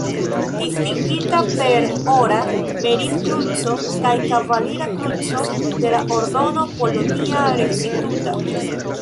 Distingita per Ora Merit-Kruco kaj Kavalira Kruco de la Ordeno "Polonia Restituta".